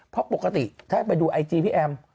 เพราะปกติถ้าไปดูไอจีพี่แอม